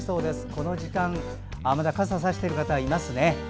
この時間まだ傘をさしている方います。